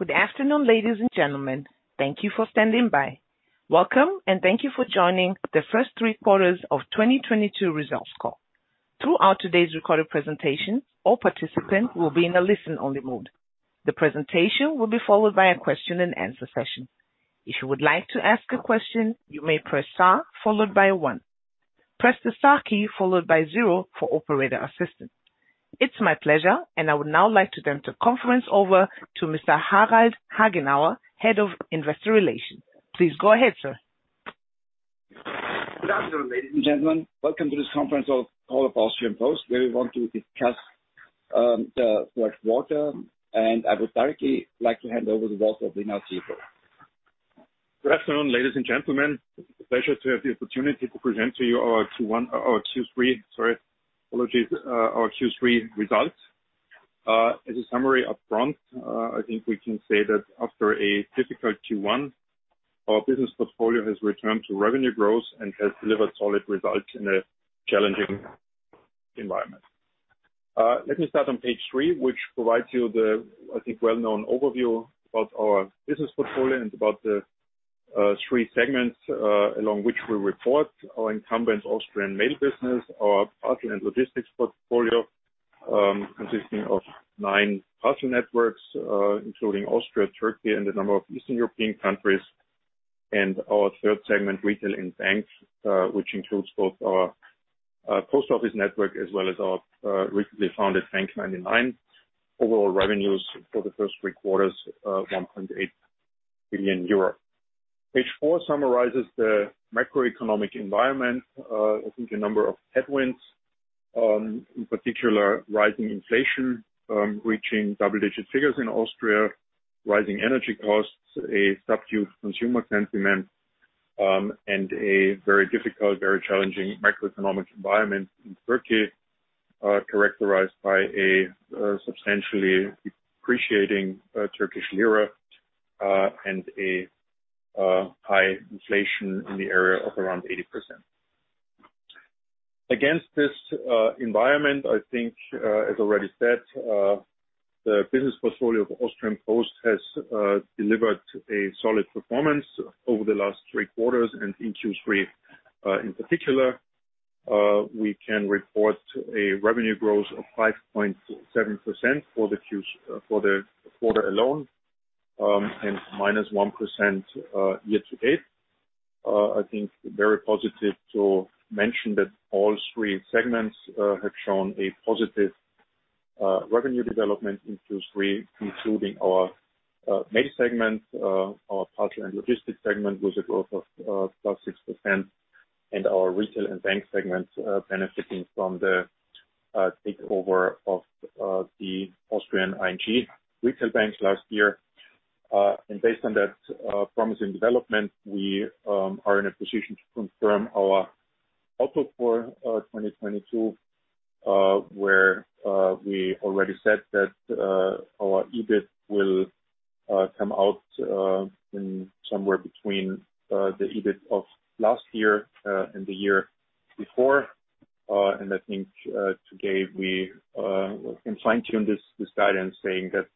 Good afternoon, ladies and gentlemen. Thank you for standing by. Welcome, and thank you for joining the first three quarters of 2022 results call. Throughout today's recorded presentation, all participants will be in a listen-only mode. The presentation will be followed by a question-and-answer session. If you would like to ask a question, you may press star followed by one. Press the star key followed by zero for operator assistance. It's my pleasure, and I would now like to turn the conference over to Mr. Harald Hagenauer, Head of Investor Relations. Please go ahead, sir. Good afternoon, ladies and gentlemen. Welcome to this conference call of Austrian Post, where we want to discuss the first quarter, and I would directly like to hand [over]. Good afternoon, ladies and gentlemen. It's a pleasure to have the opportunity to present to you our Q3 results. As a summary upfront, I think we can say that after a difficult Q1, our business portfolio has returned to revenue growth and has delivered solid results in a challenging environment. Let me start on page three, which provides you the, I think, well-known overview about our business portfolio and about the three segments along which we report our incumbent Austrian mail business, our parcel and logistics portfolio, consisting of nine parcel networks, including Austria, Turkey, and a number of Eastern European countries. Our third segment, retail and banks, which includes both our post office network as well as our recently founded bank99. Overall revenues for the first three quarters, 1.8 billion euro. Page four summarizes the macroeconomic environment. I think a number of headwinds, in particular, rising inflation, reaching double-digit figures in Austria, rising energy costs, a subdued consumer sentiment, and a very difficult, very challenging macroeconomic environment in Turkey, characterized by a substantially appreciating Turkish Lira, and a high inflation in the area of around 80%. Against this environment, I think, as already said, the business portfolio of Austrian Post has delivered a solid performance over the last three quarters. In Q3, in particular, we can report a revenue growth of 5.7% for the quarter alone, and -1% year to date. I think very positive to mention that all three segments have shown a positive revenue development in Q3, including our mail segment, our parcel and logistics segment with a growth of +6%, and our retail and bank segment benefiting from the takeover of the Austrian ING Retail Bank last year. Based on that promising development, we are in a position to confirm our outlook for 2022, where we already said that our EBIT will come out in somewhere between the EBIT of last year and the year before. I think today we can fine-tune this guidance saying that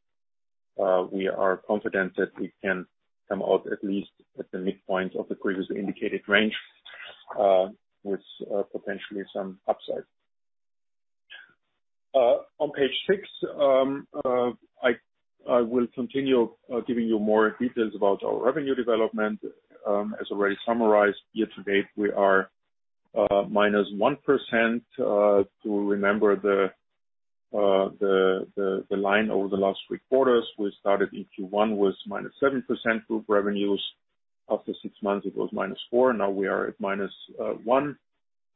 we are confident that we can come out at least at the midpoint of the previously indicated range with potentially some upside. On page six, I will continue giving you more details about our revenue development. As already summarized, year to date, we are -1%. To remember the line over the last three quarters, we started in Q1 was -7% Group revenues. After six months, it was -4%, and now we are at -1%.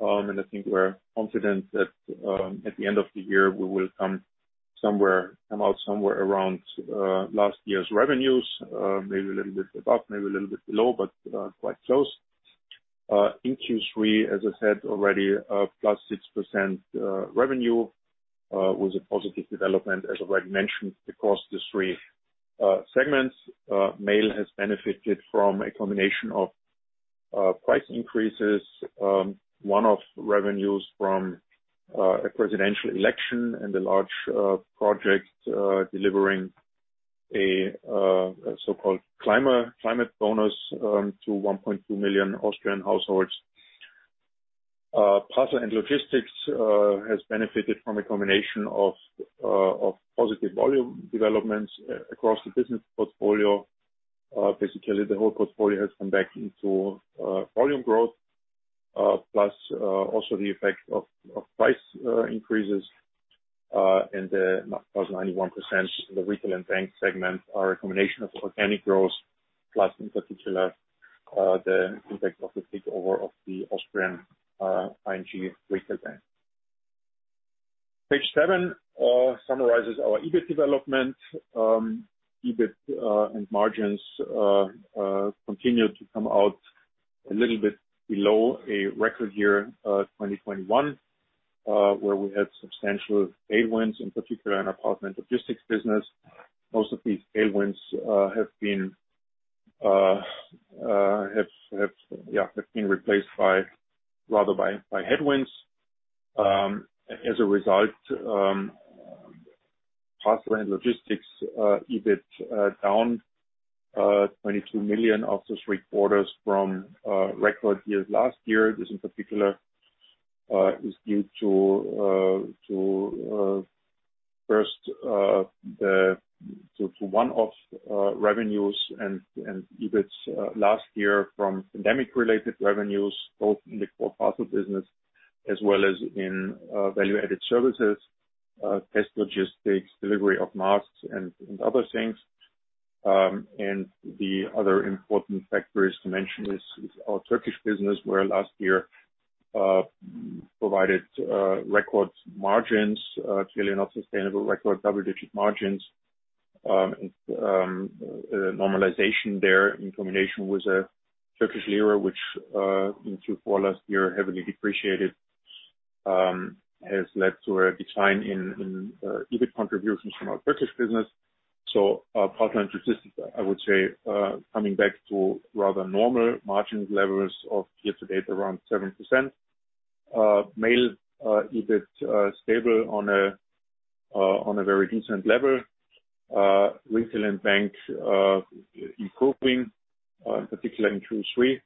I think we're confident that at the end of the year, we will come out somewhere around last year's revenues, maybe a little bit above, maybe a little bit below, but quite close. In Q3, as I said already, +6% revenue was a positive development. As already mentioned, across the three segments, mail has benefited from a combination of price increases, one-off revenues from a presidential election and a large project delivering a so-called Klimabonus to 1.2 million Austrian households. Parcel and logistics has benefited from a combination of positive volume developments across the business portfolio. Basically, the whole portfolio has come back into volume growth, plus also the effect of price increases, and +91%. The retail and bank segment are a combination of organic growth plus, in particular, the impact of the takeover of the Austrian ING Retail Bank. Page seven summarizes our EBIT development. EBIT and margins continued to come out a little bit below a record year, 2021, where we had substantial tailwinds, in particular in our parcel and logistics business. Most of these tailwinds have been replaced by, rather by headwinds. As a result, parcel and logistics EBIT down 22 million of those three quarters from record years last year. This in particular is due to first the one-off revenues and EBITs last year from pandemic related revenues, both in the core parcel business as well as in value-added services, test logistics, delivery of masks and other things. The other important factor to mention is our Turkish business, where last year provided record margins, clearly not sustainable record double-digit margins, and normalization there in combination with the Turkish Lira, which in Q4 last year heavily depreciated, has led to a decline in EBIT contributions from our Turkish business. Parcel and logistics, I would say, coming back to rather normal margin levels of year-to-date around 7%. Mail EBIT stable on a very decent level. Retail and bank improving, in particular in Q3,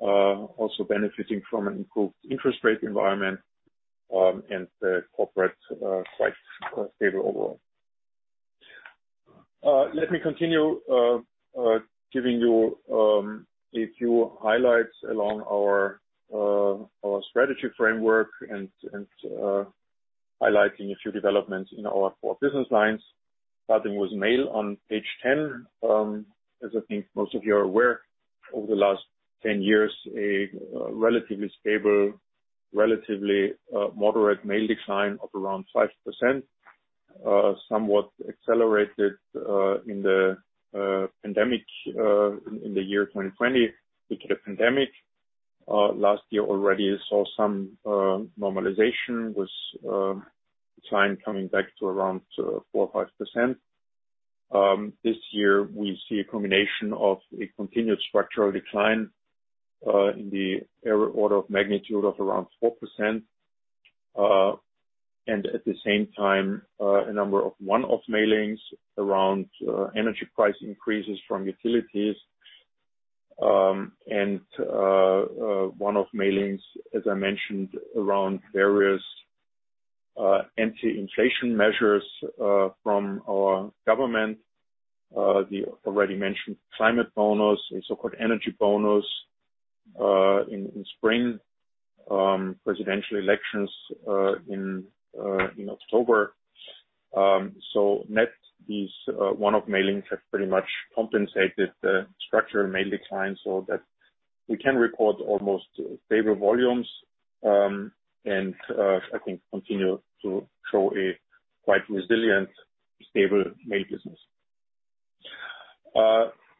also benefiting from an improved interest rate environment, and the corporate quite stable overall. Let me continue giving you a few highlights along our strategy framework and highlighting a few developments in our four business lines, starting with Mail on page 10. As I think most of you are aware, over the last 10 years, a relatively stable, relatively moderate mail decline of around 5%, somewhat accelerated in the pandemic in the year 2020 due to the pandemic. Last year already saw some normalization with decline coming back to around 4% or 5%. This year we see a combination of a continued structural decline in the order of magnitude of around 4%. At the same time, a number of one-off mailings around energy price increases from utilities and one-off mailings, as I mentioned, around various anti-inflation measures from our government. The already mentioned climate bonus and so-called energy bonus in spring, presidential elections in October. Net, these one-off mailings have pretty much compensated the structural mail decline so that we can report almost stable volumes and I think continue to show a quite resilient, stable mail business.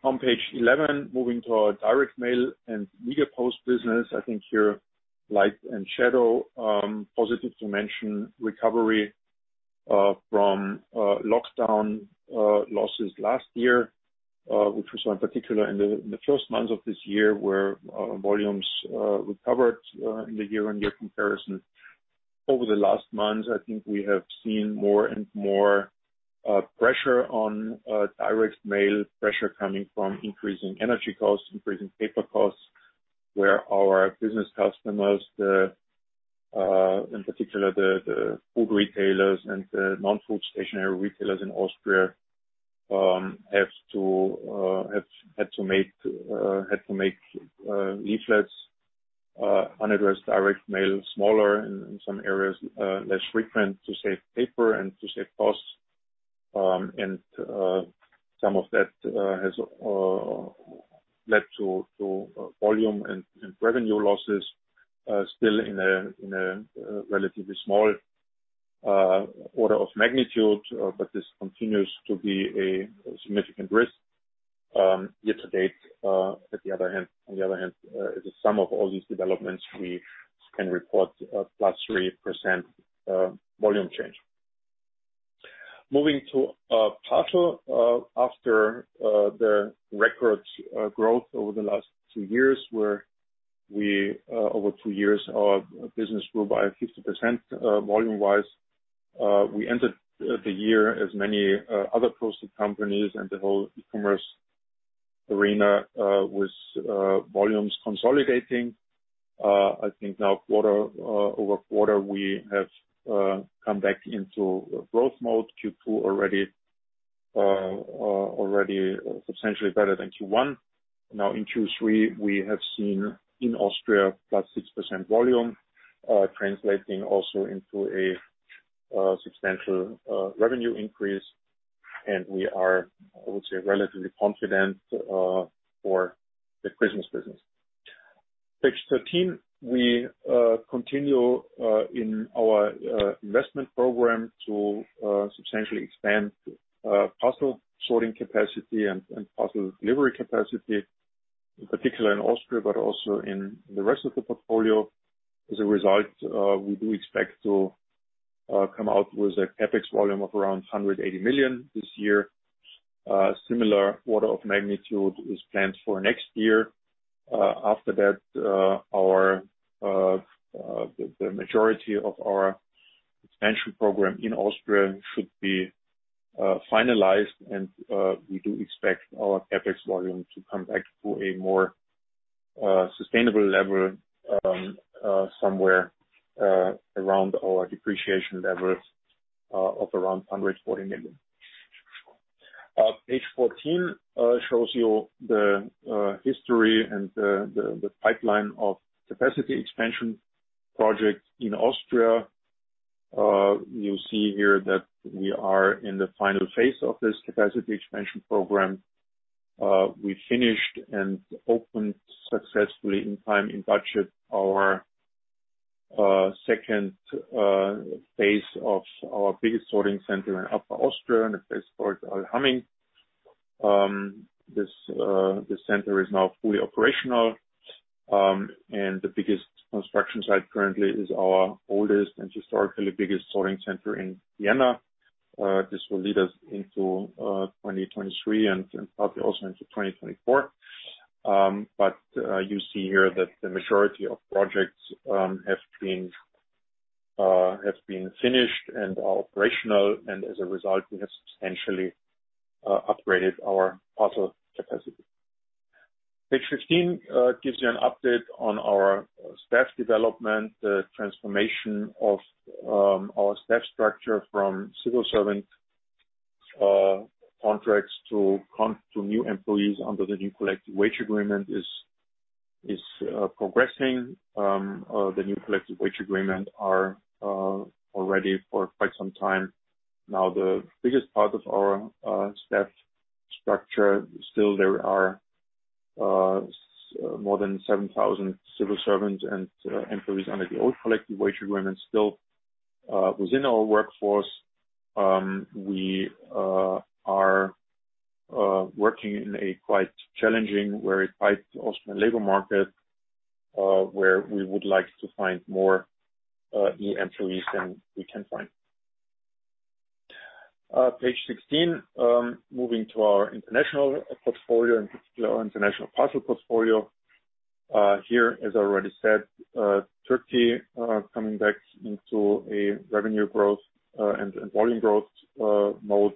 On page 11, moving to our direct mail and Media Post business. I think here, light and shadow, positive to mention recovery from lockdown losses last year, which was in particular in the first months of this year, where volumes recovered in the year-on-year comparison. Over the last months, I think we have seen more and more pressure on direct mail, pressure coming from increasing energy costs, increasing paper costs, where our business customers, in particular the food retailers and the non-food stationery retailers in Austria, had to make leaflets, unaddressed direct mail smaller in some areas, less frequent to save paper and to save costs. Some of that has led to volume and revenue losses still in a relatively small order of magnitude, but this continues to be a significant risk. Year-to-date, on the other hand, as a sum of all these developments, we can report plus 3% volume change. Moving to parcel after the record growth over the last two years, where we over two years, our business grew by 50% volume-wise. We ended the year as many other postal companies and the whole e-commerce arena with volumes consolidating. I think now quarter-over-quarter we have come back into growth mode. Q2 already substantially better than Q1. Now in Q3, we have seen in Austria +6% volume, translating also into a substantial revenue increase, and we are, I would say, relatively confident for the Christmas business. Page 13, we continue in our investment program to substantially expand parcel sorting capacity and parcel delivery capacity, in particular in Austria, but also in the rest of the portfolio. As a result, we do expect to come out with a CapEx volume of around 180 million this year. Similar order of magnitude is planned for next year. After that, the majority of our expansion program in Austria should be finalized and we do expect our CapEx volume to come back to a more sustainable level, somewhere around our depreciation levels of around 140 million. Page 14 shows you the history and the pipeline of capacity expansion project in Austria. You see here that we are in the final phase of this capacity expansion program. We finished and opened successfully in time and budget our second phase of our biggest sorting center in Upper Austria, in Allhaming. This center is now fully operational, and the biggest construction site currently is our oldest and historically biggest sorting center in Vienna. This will lead us into 2023 and probably also into 2024. You see here that the majority of projects have been finished and are operational, and as a result, we have substantially upgraded our parcel capacity. Page 15 gives you an update on our staff development. The transformation of our staff structure from civil servant contracts to new employees under the new collective wage agreement is progressing. The new collective wage agreement are already for quite some time now the biggest part of our staff structure. Still there are more than 7,000 civil servants and employees under the old collective wage agreement still within our workforce. We are working in a quite challenging, very tight Austrian labor market, where we would like to find more new employees than we can find. Page 16, moving to our international portfolio, in particular our international parcel portfolio. Here, as I already said, Turkey coming back into a revenue growth and volume growth mode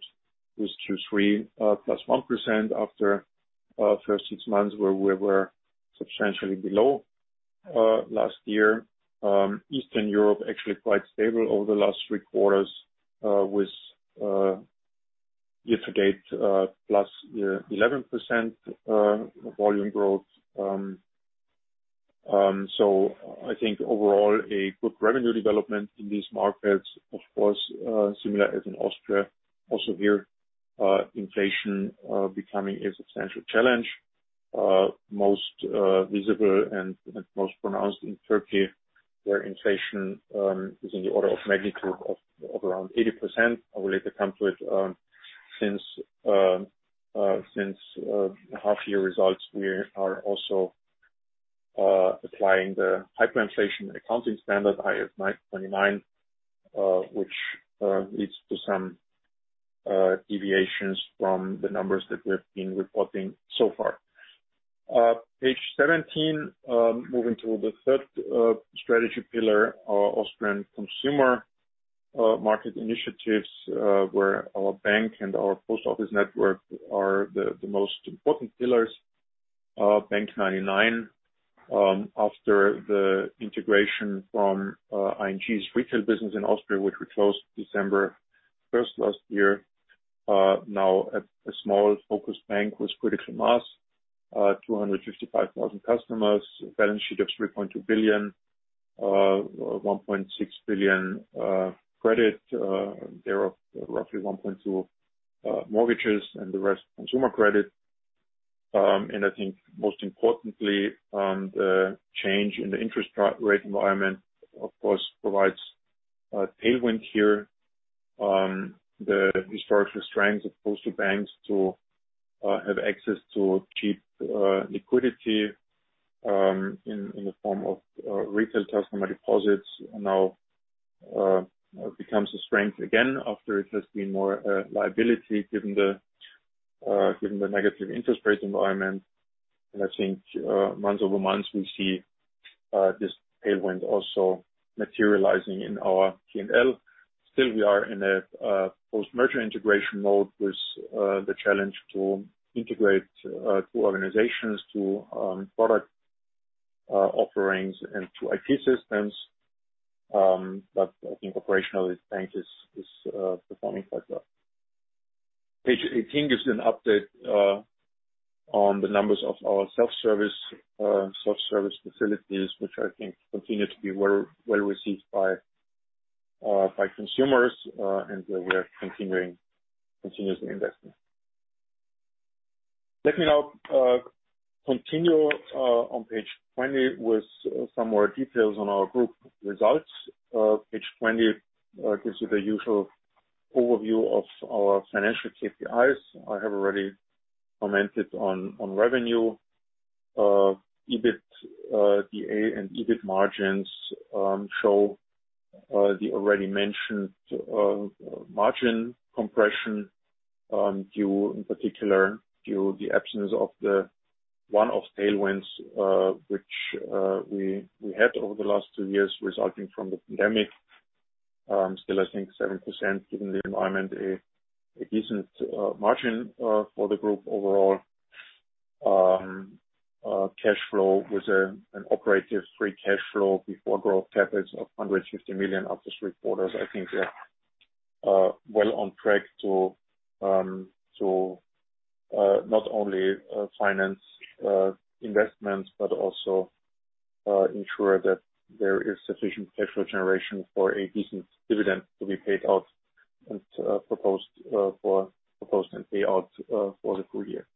with Q3 +1% after first six months, where we were substantially below last year. Eastern Europe actually quite stable over the last three quarters with year to date +11% volume growth. I think overall a good revenue development in these markets, of course, similar as in Austria. Also here, inflation becoming a substantial challenge. Most visible and most pronounced in Turkey, where inflation is in the order of magnitude of around 80%. I will later come to it. Since the half year results, we are also applying the hyperinflation accounting standard IAS 29, which leads to some deviations from the numbers that we have been reporting so far. Page 17, moving to the third strategy pillar, our Austrian consumer market initiatives, where our bank and our post office network are the most important pillars. bank99, after the integration from ING's retail business in Austria, which we closed December 1st, last year. Now a small focused bank with critical mass, 255,000 customers, a balance sheet of 3.2 billion, 1.6 billion credit. There are roughly 1.2 billion mortgages and the rest consumer credit. I think most importantly, the change in the interest rate environment, of course, provides a tailwind here. The historical strength of postal banks to have access to cheap liquidity in the form of retail customer deposits now becomes a strength again after it has been more liability given the negative interest rate environment. I think month-over-month we see this tailwind also materializing in our P&L. Still we are in a post-merger integration mode with the challenge to integrate two organizations, two product offerings and two IT systems. I think operationally the bank is performing quite well. Page 18 gives you an update on the numbers of our self-service facilities, which I think continue to be well received by consumers, and where we are continuing continuously investing. Let me now continue on page 20 with some more details on our group results. Page 20 gives you the usual overview of our financial KPIs. I have already commented on revenue. EBITDA and EBIT margins show the already mentioned margin compression due in particular to the absence of the one-off tailwinds which we had over the last two years resulting from the pandemic. Still, I think 7% given the environment a decent margin for the group overall. Cash flow was an operative free cash flow before growth CapEx of 150 million for this quarter's. I think we are well on track to not only finance investments, but also ensure that there is sufficient cash flow generation for a decent dividend to be proposed and paid out for the full year.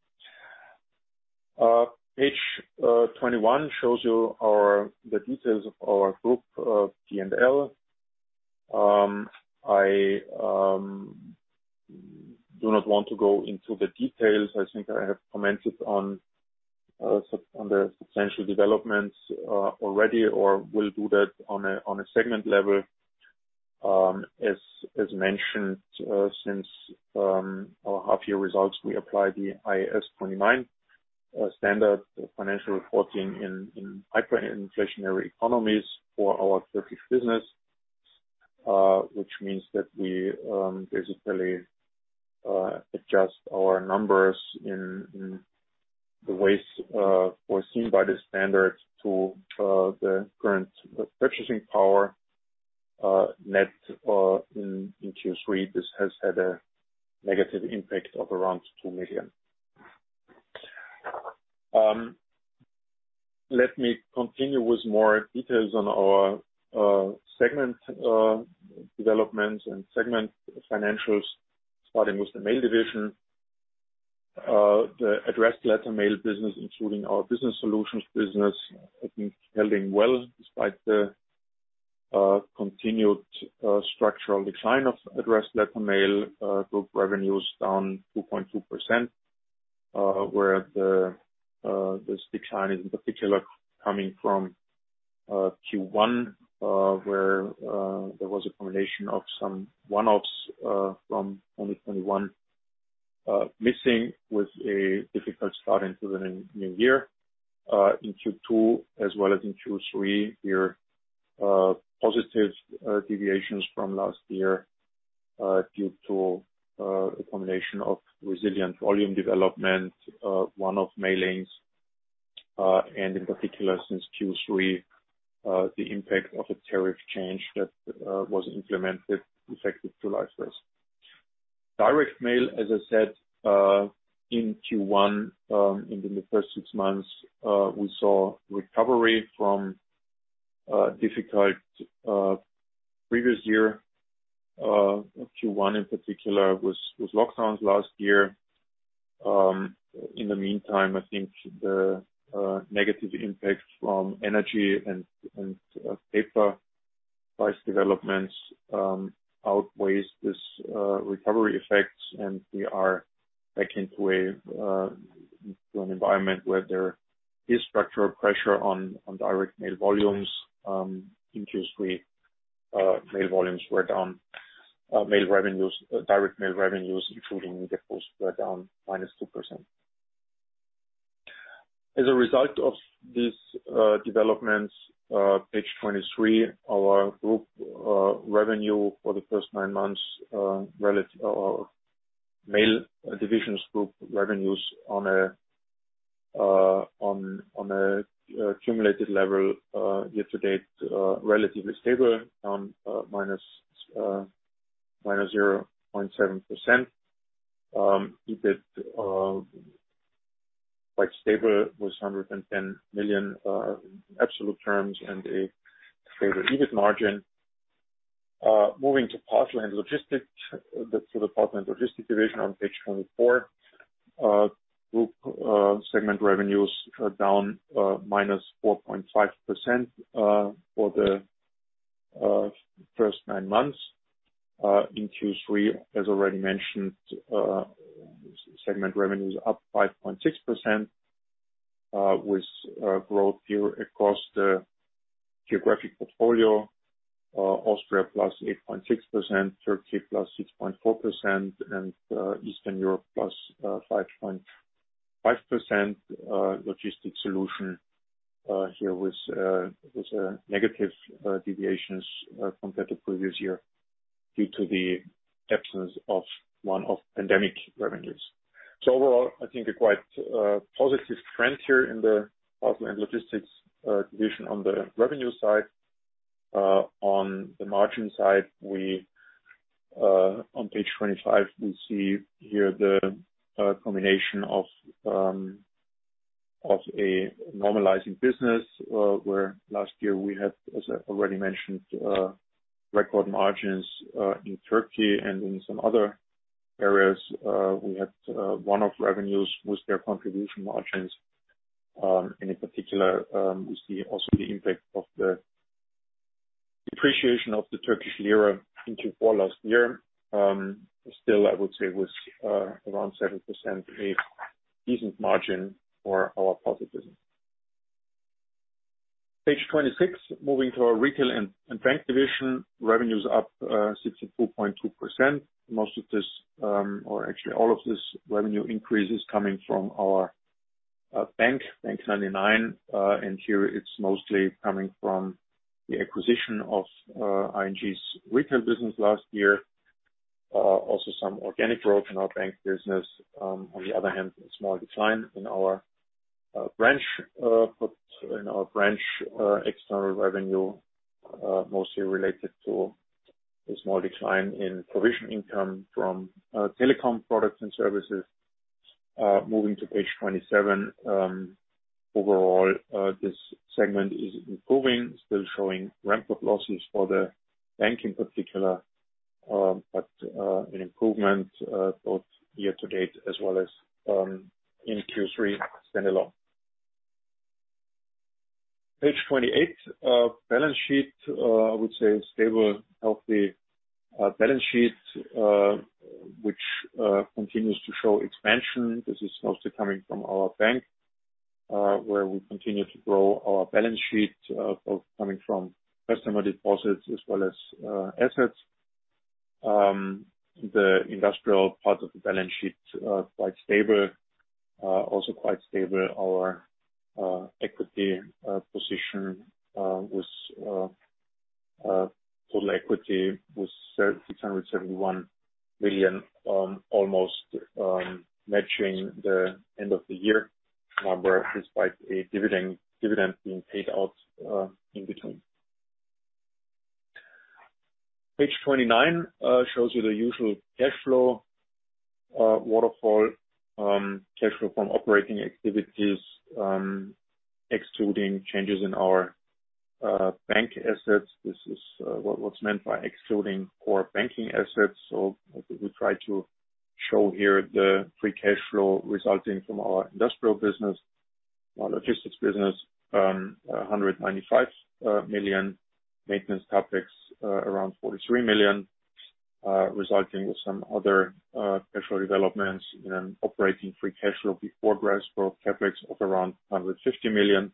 Page 21 shows you the details of our group P&L. I do not want to go into the details. I think I have commented on the substantial developments already or will do that on a segment level. As mentioned, since our half-year results, we apply the IAS 29 standard financial reporting in hyperinflationary economies for our Turkish business, which means that we basically adjust our numbers in the ways foreseen by the standards to the current purchasing power net in Q3. This has had a negative impact of around 2 million. Let me continue with more details on our segment developments and segment financials, starting with the mail division. The addressed letter mail business, including our business solutions business, I think is holding well despite the continued structural decline of addressed letter mail. Group revenues down 2.2%, where this decline is in particular coming from Q1, where there was a combination of some one-offs from 2021 missing with a difficult start into the new year, in Q2 as well as in Q3, we're positive deviations from last year due to a combination of resilient volume development, one-off mailings, and in particular since Q3, the impact of a tariff change that was implemented effective July 1st. Direct mail, as I said, in Q1 and in the first six months, we saw recovery from difficult previous year. Q1 in particular was lockdowns last year. In the meantime, I think the negative impact from energy and paper price developments outweighs this recovery effects, and we are back into an environment where there is structural pressure on direct mail volumes. In Q3, mail volumes were down. Mail revenues, direct mail revenues, including Media Post, were down -2%. As a result of these developments, page 23, our group revenue for the first 9 months. Our Mail division's group revenues on a cumulative level, year to date, relatively stable, down -0.7%. EBIT quite stable with 110 million in absolute terms and a favorable EBIT margin. Moving to the parcel and logistics division on page 24. Group segment revenues are down -4.5% for the first nine months. In Q3, as already mentioned, segment revenues up 5.6%, with growth here across the geographic portfolio, Austria +8.6%, Turkey +6.4%, and Eastern Europe +5.5%, logistics solution here with negative deviations compared to previous year due to the absence of one-off pandemic revenues. Overall, I think a quite positive trend here in the parcel and logistics division on the revenue side. On the margin side, on page 25, we see here the combination of a normalizing business, where last year we had, as I already mentioned, record margins in Turkey and in some other areas, we had one-off revenues with their contribution margins. In particular, we see also the impact of the depreciation of the Turkish Lira in Q4 last year. Still, I would say, was around 7%, a decent margin for our parcel business. Page 26, moving to our retail and bank division. Revenue's up 64.2%. Most of this, or actually all of this revenue increase is coming from our bank, bank99. And here it's mostly coming from the acquisition of ING's retail business last year. Also some organic growth in our bank business. On the other hand, a small decline in our branch external revenue, mostly related to a small decline in provision income from telecom products and services. Moving to page 27. Overall, this segment is improving, still showing ramp of losses for the bank in particular, but an improvement both year to date as well as in Q3 standalone. Page 28, balance sheet. I would say a stable, healthy balance sheet which continues to show expansion. This is mostly coming from our bank, where we continue to grow our balance sheet both coming from customer deposits as well as assets. The industrial part of the balance sheet quite stable. Also quite stable our equity position with total equity was 371 million almost matching the end of the year number despite a dividend being paid out in between. Page 29 shows you the usual cash flow waterfall cash flow from operating activities excluding changes in our bank assets. This is what's meant by excluding core banking assets. We try to show here the free cash flow resulting from our industrial business, our logistics business, 195 million. Maintenance CapEx around 43 million resulting, with some other cash flow developments, in an operating free cash flow before growth CapEx of around 150 million,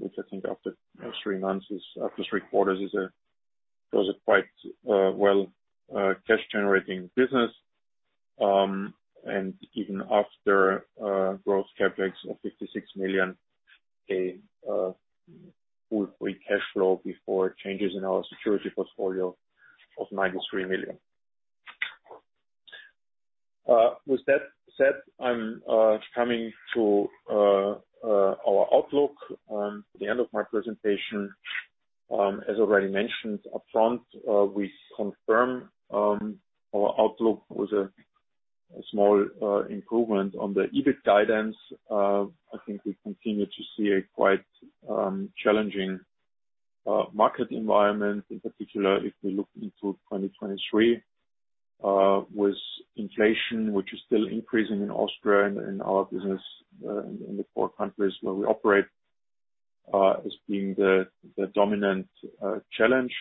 which I think after three quarters was a quite cash generating business. Even after growth CapEx of 56 million a full free cash flow before changes in our security portfolio of 93 million. With that said, I'm coming to our outlook, the end of my presentation. As already mentioned upfront, we confirm our outlook with a small improvement on the EBIT guidance. I think we continue to see a quite challenging market environment. In particular, if we look into 2023, with inflation, which is still increasing in Austria and in our business, in the four countries where we operate, as being the dominant challenge.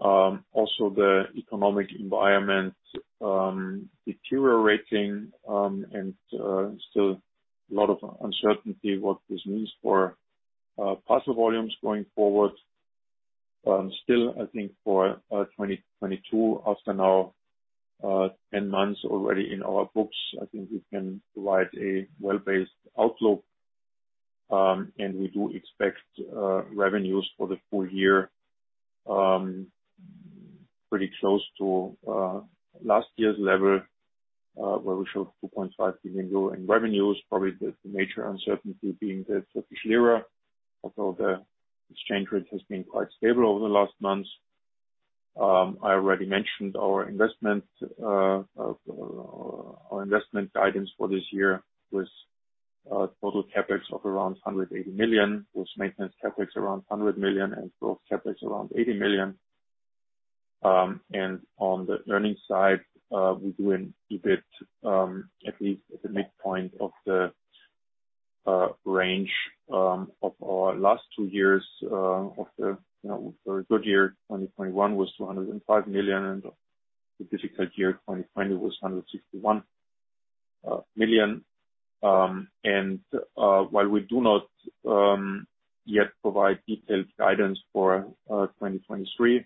Also the economic environment deteriorating, and still a lot of uncertainty what this means for parcel volumes going forward. Still, I think for 2022 after now, 10 months already in our books, I think we can provide a well-based outlook. We expect revenues for the full year pretty close to last year's level where we showed 2.5 billion euro in revenues, probably the major uncertainty being the Turkish Lira. Although the exchange rate has been quite stable over the last months. I already mentioned our investment guidance for this year was total CapEx of around 180 million, with maintenance CapEx around 100 million and growth CapEx around 80 million. On the earnings side, we do an EBIT at least at the midpoint of the range of our last two years, you know, the good year 2021 was 205 million, and the difficult year 2020 was 161 million. While we do not yet provide detailed guidance for 2023,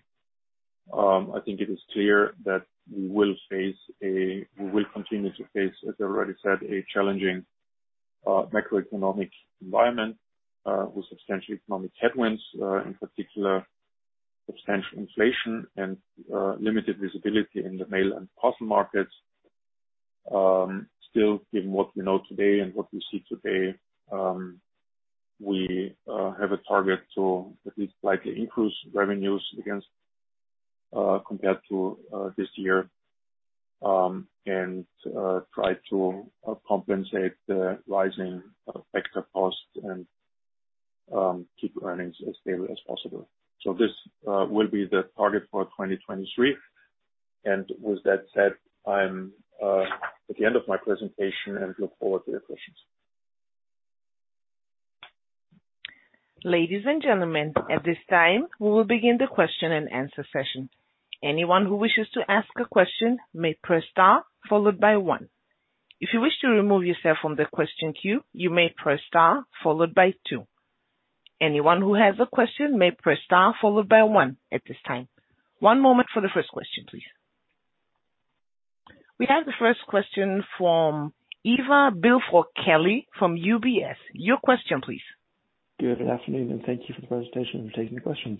I think it is clear that we will continue to face, as I already said, a challenging macroeconomic environment with substantial economic headwinds, in particular, substantial inflation and limited visibility in the mail and parcel markets. Still, given what we know today and what we see today, we have a target to at least slightly increase revenues compared to this year, and try to compensate the rising factor costs and keep earnings as stable as possible. This will be the target for 2023. With that said, I'm at the end of my presentation and look forward to your questions. Ladies and gentlemen, at this time, we will begin the question-and-answer session. Anyone who wishes to ask a question may press star followed by one. If you wish to remove yourself from the question queue, you may press star followed by two. Anyone who has a question may press star followed by one at this time. One moment for the first question, please. We have the first question from Ivar Billfalk-Kelly from UBS. Your question please. Good afternoon, and thank you for the presentation. I'm taking the questions.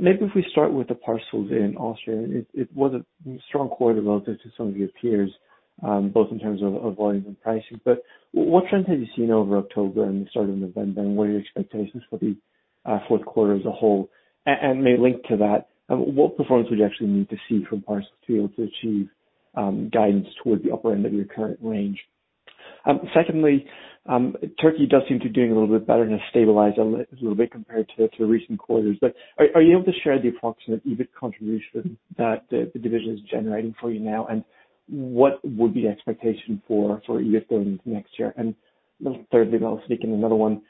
Maybe if we start with the parcels in Austria, it was a strong quarter relative to some of your peers, both in terms of volume and pricing. What trends have you seen over October and the start of November, and what are your expectations for the fourth quarter as a whole? Maybe linked to that, what performance would you actually need to see from parcel to be able to achieve guidance towards the upper end of your current range? Secondly, Turkey does seem to be doing a little bit better and has stabilized a little bit compared to recent quarters. Are you able to share the approximate EBIT contribution that the division is generating for you now, and what would be expectation for EBITDA next year? Then thirdly, I'll sneak in another one.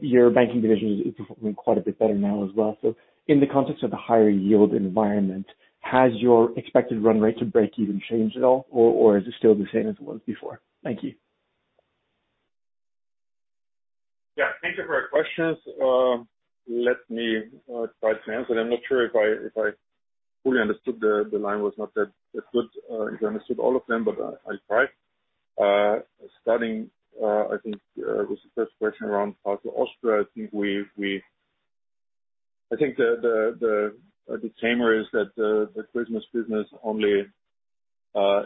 Your banking division is performing quite a bit better now as well. In the context of the higher yield environment, has your expected run rate to break even changed at all or is it still the same as it was before? Thank you. Yeah, thank you for your questions. Let me try to answer. I'm not sure if I fully understood the line was not that good if I understood all of them, but I'll try. Starting, I think, with the first question around parcel Austria, I think the disclaimer is that the Christmas business only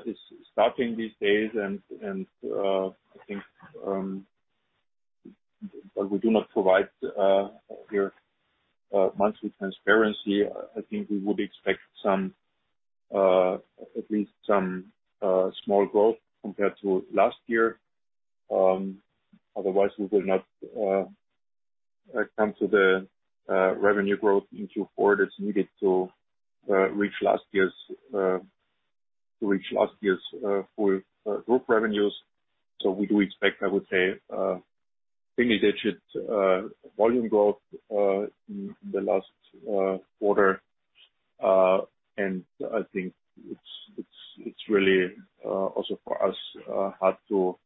is starting these days and I think but we do not provide your monthly transparency. I think we would expect some at least some small growth compared to last year. Otherwise we will not come to the revenue growth in Q4 that's needed to reach last year's full group revenues. We do expect, I would say, single digit volume growth in the last quarter. I think it's really also for us hard to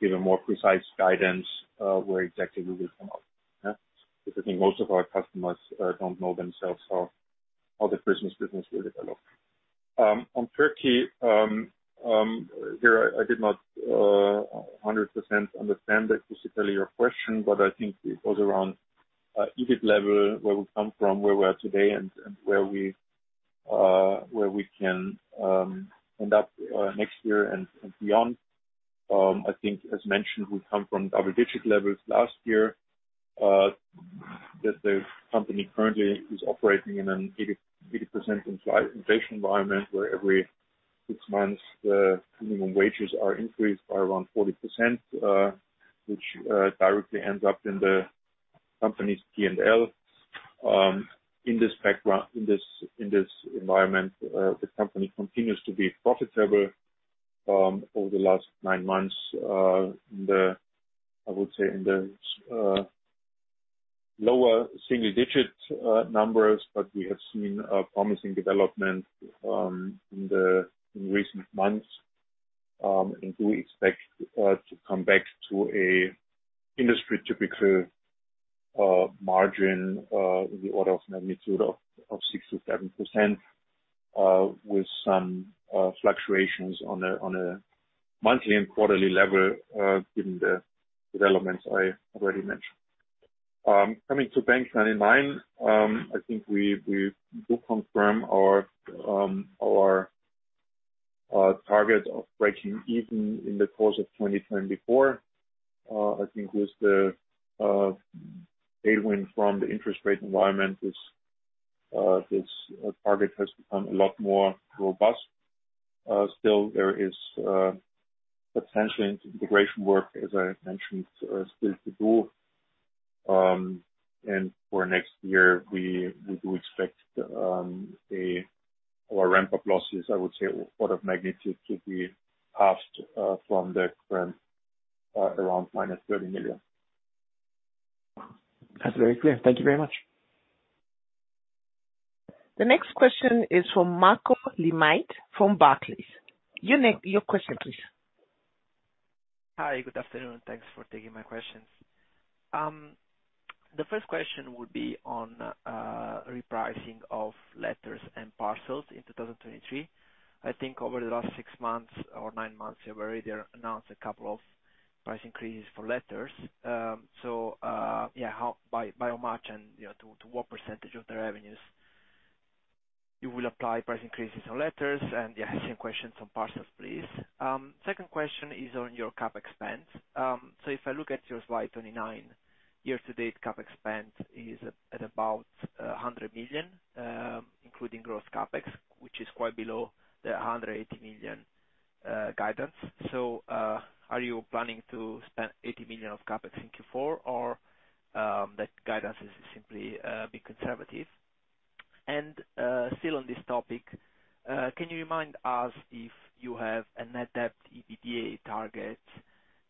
give a more precise guidance where exactly we will come out. Yeah. Because I think most of our customers don't know themselves how the Christmas business will develop. On Turkey, here I did not 100% understand specifically your question, but I think it was around EBIT level, where we come from, where we are today and where we can end up next year and beyond. I think as mentioned, we come from double-digit levels last year that the company currently is operating in an 80% inflation environment where every six months the minimum wages are increased by around 40%, which directly ends up in the company's P&L. In this background, in this environment, the company continues to be profitable over the last nine months in the lower single-digit numbers, but we have seen a promising development in recent months, and we expect to come back to an industry typical margin in the order of magnitude of 6%-7% with some fluctuations on a monthly and quarterly level, given the developments I already mentioned. Coming to bank99, I think we do confirm our target of breaking even in the course of 2024. I think with the tailwind from the interest rate environment, this target has become a lot more robust. Still there is potentially integration work, as I mentioned, still to do. For next year, we do expect our ramp-up losses, I would say, order of magnitude to be half from the current around minus 30 million. That's very clear. Thank you very much. The next question is from Marco Limite from Barclays. Your question, please. Hi, good afternoon. Thanks for taking my questions. The first question would be on repricing of letters and parcels in 2023. I think over the last six months or nine months, you have already announced a couple of price increases for letters. By how much and, you know, to what percentage of the revenues you will apply price increases on letters? Yeah, same questions on parcels, please. Second question is on your CapEx spends. If I look at your slide 29, year-to-date CapEx spend is at about 100 million, including gross CapEx, which is quite below the 180 million guidance. Are you planning to spend 80 million of CapEx in Q4, or that guidance is simply be conservative? Still on this topic, can you remind us if you have a net debt EBITDA target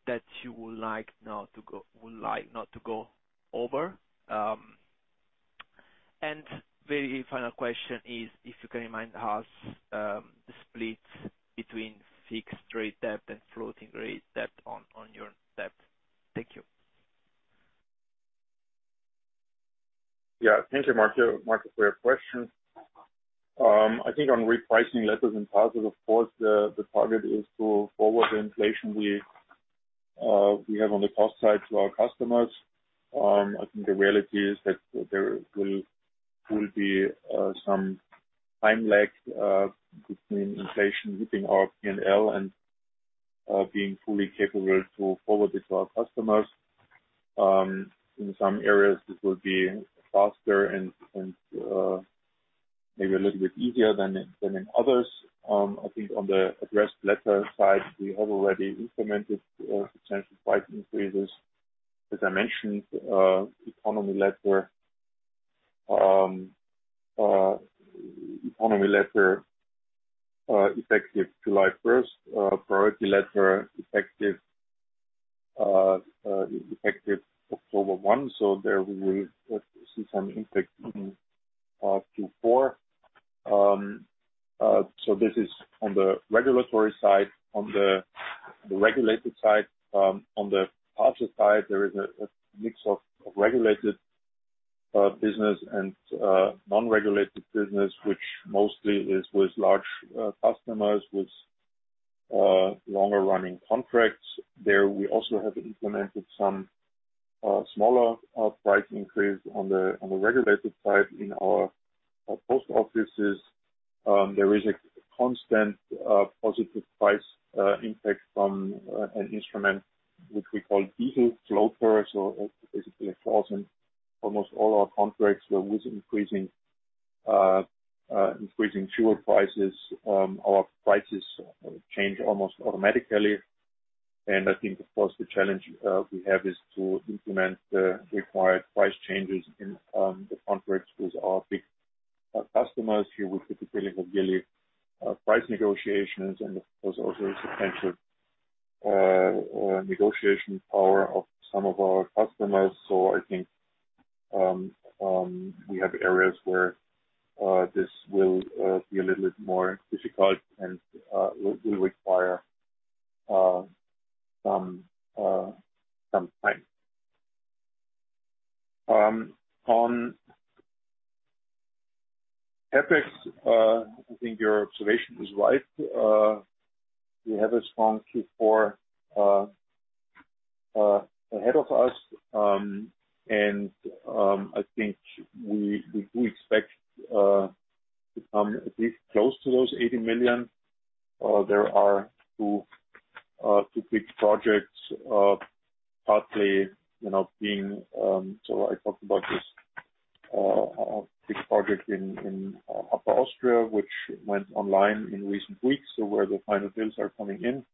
that you would like not to go over? Very final question is if you can remind us the splits between fixed rate debt and floating rate debt on your debt. Thank you. Yeah. Thank you, Marco, for your question. I think on repricing letters and parcels, of course, the target is to forward the inflation we have on the cost side to our customers. I think the reality is that there will be some time lag between inflation within our P&L and being fully capable to forward it to our customers. In some areas, this will be faster and maybe a little bit easier than in others. I think on the addressed letter side, we have already implemented potential price increases. As I mentioned, Economy Letter effective July 1st, Priority Letter effective October 1, so there we will see some impact in Q4. So this is on the regulatory side. On the regulated side, on the parcels side, there is a mix of regulated business and non-regulated business, which mostly is with large customers with longer running contracts. There we also have implemented some smaller price increase on the regulated side in our post offices. There is a constant positive price impact from an instrument which we call diesel floaters or basically a clause in almost all our contracts where with increasing fuel prices, our prices change almost automatically. I think of course, the challenge we have is to implement the required price changes in the contracts with our big customers here, with particularly price negotiations and of course, also substantial negotiation power of some of our customers. I think we have areas where this will be a little bit more difficult and will require some time. On CapEx, I think your observation is right. We have a strong Q4 ahead of us. I think we do expect to come at least close to those 80 million. There are two big projects, partly, you know, being, I talked about this big project in Upper Austria, which went online in recent weeks. Where the final bills are coming in.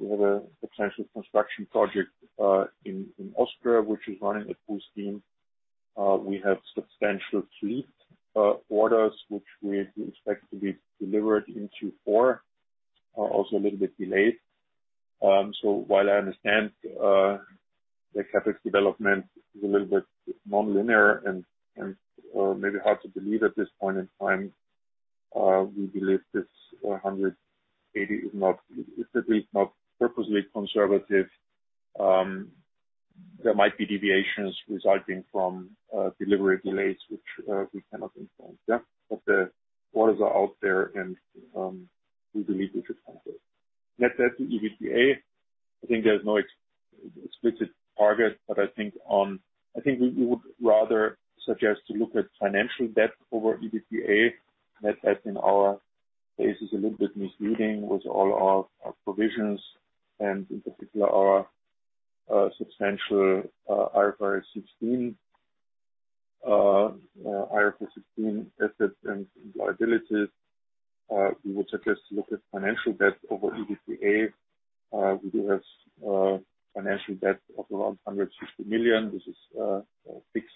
We have a potential construction project in Austria, which is running at full steam. We have substantial fleet orders which we expect to be delivered in Q4, also a little bit delayed. While I understand the CapEx development is a little bit non-linear and maybe hard to believe at this point in time, we believe 180 is at least not purposely conservative. There might be deviations resulting from delivery delays which we cannot influence. The orders are out there and we believe we should conquer it. Net debt to EBITDA, I think there's no explicit target, but I think we would rather suggest to look at financial debt over EBITDA. Net debt in our case is a little bit misleading with all our provisions and in particular our substantial IFRS 16 assets and liabilities. We would suggest to look at financial debt over EBITDA. We do have financial debt of around 160 million, which is fixed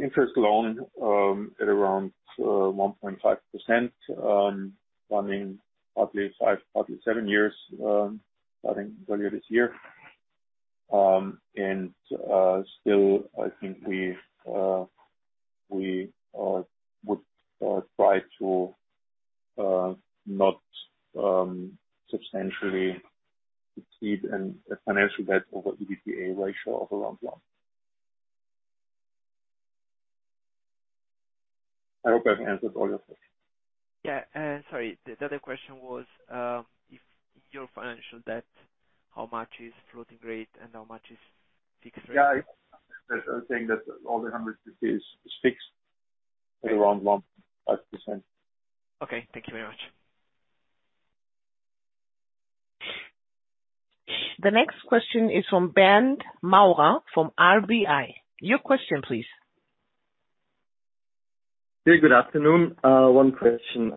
interest loan at around 1.5%, running partly five partly seven years, starting earlier this year. Still I think we would try to not substantially exceed a financial debt over EBITDA ratio of around 1. I hope I've answered all your questions. Yeah. Sorry. The other question was, if your financial debt, how much is floating rate and how much is fixed rate? Yeah. I'm saying that all the hundred is fixed at around 1.5%. Okay. Thank you very much. The next question is from Bernd Maurer from RBI. Your question, please. Hey, good afternoon. One question.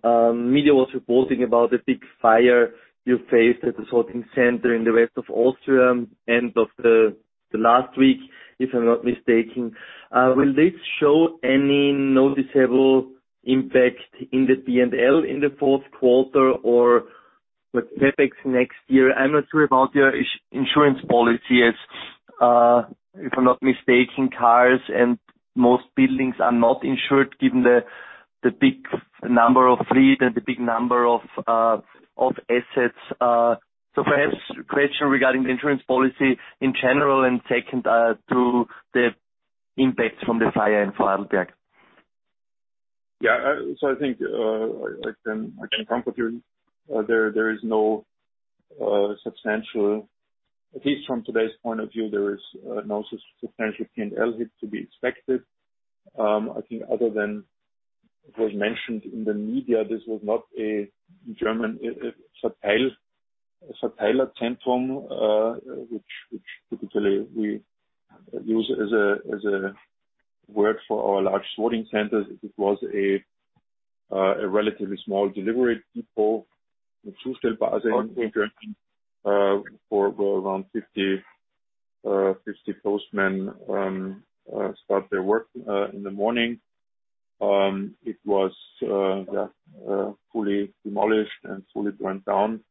Media was reporting about the big fire you faced at the sorting center in Retz, Austria end of the last week, if I'm not mistaken. Will this show any noticeable impact in the P&L in the fourth quarter or with CapEx next year? I'm not sure about your insurance policy as, if I'm not mistaken, cars and most buildings are not insured given the big number of fleet and the big number of assets. Perhaps question regarding the insurance policy in general, and second, to the impact from the fire and fire attack. Yeah. I think, like in front of you, at least from today's point of view, there is no substantial P&L hit to be expected. I think other than was mentioned in the media, this was not a [Verteilzentrum] which typically we use as a word for our large sorting centers. It was a relatively small delivery depot. For around 50 postmen start their work in the morning. It was fully demolished and fully burned down.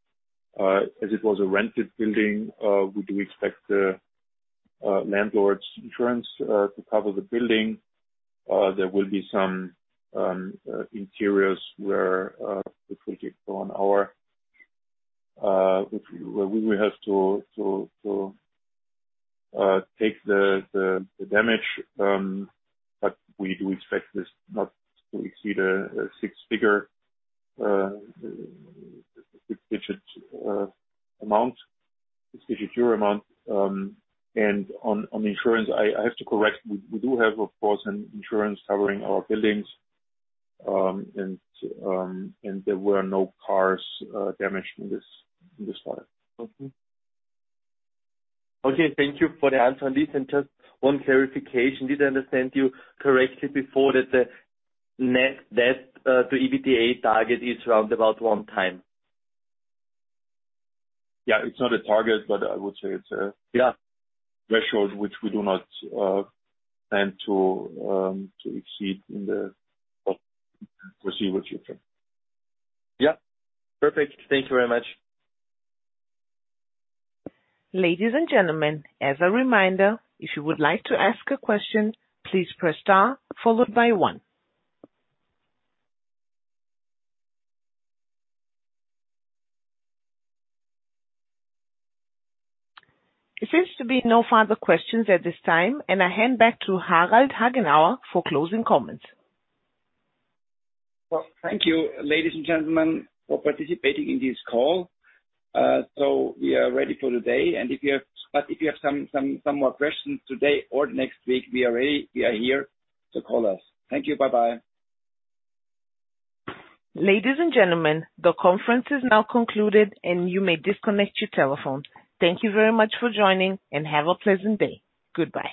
As it was a rented building, we do expect the landlord's insurance to cover the building. There will be some interiors where the property of ours which we will have to take the damage, but we do expect this not to exceed a six-digit EUR amount. On insurance, I have to correct. We do have, of course, an insurance covering our buildings. There were no cars damaged in this fire. Okay. Thank you for the answer on this. Just one clarification. Did I understand you correctly before that the net debt to EBITDA target is round about 1x? Yeah. It's not a target, but I would say it's a threshold which we do not plan to exceed in the foreseeable future. Yeah. Perfect. Thank you very much. Ladies and gentlemen, as a reminder, if you would like to ask a question, please press star followed by one. It seems to be no further questions at this time, and I hand back to Harald Hagenauer for closing comments. Well, thank you, ladies and gentlemen, for participating in this call. We are ready for today, and if you have some more questions today or next week, we are ready. We are here, so call us. Thank you. Bye-bye. Ladies and gentlemen, the conference is now concluded, and you may disconnect your telephone. Thank you very much for joining, and have a pleasant day. Goodbye.